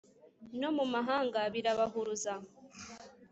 no mu mahanga birabahuruza